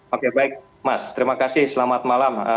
oke baik mas terima kasih selamat malam